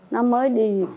nó mới đi